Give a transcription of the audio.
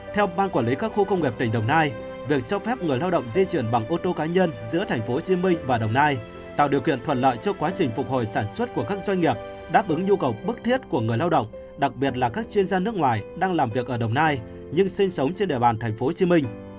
theo ban quản lý các khu công nghiệp tỉnh đồng nai việc cho phép người lao động di chuyển bằng ô tô cá nhân giữa tp hcm và đồng nai tạo điều kiện thuận lợi cho quá trình phục hồi sản xuất của các doanh nghiệp đáp ứng nhu cầu bức thiết của người lao động đặc biệt là các chuyên gia nước ngoài đang làm việc ở đồng nai nhưng sinh sống trên địa bàn tp hcm